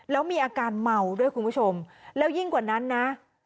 แล้วมีอาการเมาด้วยคุณผู้ชมแล้วยิ่งกว่านั้นนะ